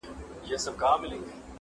خدای دي نه کړي مفکوره مي سي غلامه.